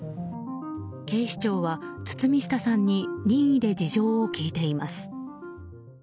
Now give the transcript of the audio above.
警視庁は、堤下さんに任意で事情を聴いています。